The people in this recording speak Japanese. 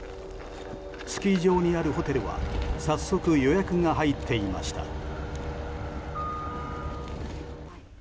スキー場にあるホテルは早速予約が入っていました。